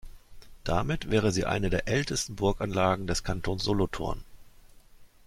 Damit wäre sie eine der ältesten Burganlagen des Kantons Solothurn.